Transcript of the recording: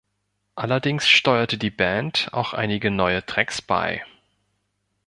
Allerdings steuerte die Band auch einige neue Tracks bei.